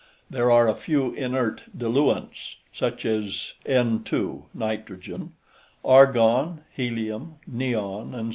There are a few inert diluents, such as N_ (nitrogen), argon, helium, neon, etc.